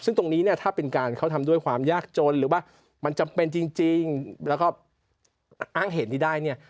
ซึ่งตรงนี้เนี่ยถ้าเป็นการเขาทำด้วยความยากจนหรือว่ามันจำเป็นจริงแล้วก็อ้างเหตุนี้ได้เนี่ย